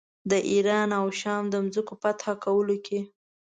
د ایران او شام د ځمکو په فتح کولو کې.